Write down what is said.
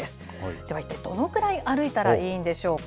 では一体、どのぐらい歩いたらいいんでしょうか。